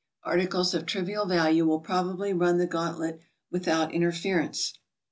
Articles of trivial value will probably run the gauntlet with out interference.